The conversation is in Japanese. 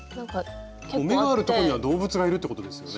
目があるとこには動物がいるってことですよね？